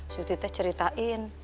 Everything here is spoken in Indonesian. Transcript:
surti teh ceritain